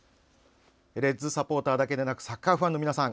レッズサポーターだけでなくサッカーファンの皆さん！